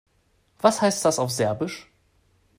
Was heißt das auf Serbisch?